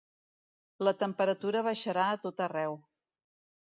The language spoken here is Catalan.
La temperatura baixarà a tot arreu.